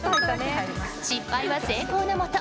失敗は成功のもと。